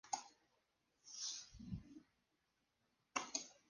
Su sede está en Perry.